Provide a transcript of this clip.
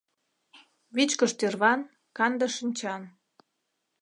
Вичкыж тӱрван, канде шинчан